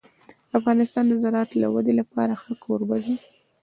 افغانستان د زراعت د ودې لپاره ښه کوربه دی.